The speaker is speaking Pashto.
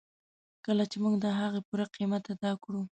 کله چې موږ د هغې پوره قیمت ادا کړو.